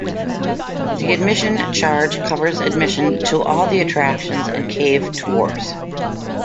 The admission charge covers admission to all the attractions and cave tours.